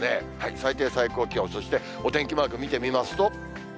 最低、最高気温、そして、お天気マーク見てみますと。